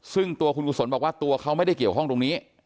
ซึ่งตัวคุณกุศลบอกว่าตัวเขาไม่ได้เกี่ยวข้องตรงนี้